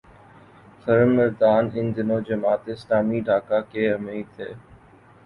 خرم مراد ان دنوں جماعت اسلامی ڈھاکہ کے امیر تھے۔